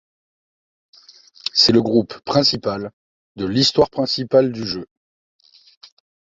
C'est le groupe principal de l'histoire principale du jeu.